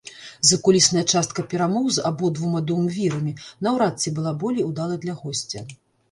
Закулісная частка перамоў з абодвума дуумвірамі наўрад ці была болей удалай для госця.